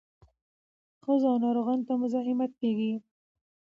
ښځو او ناروغانو ته مزاحمت کیږي.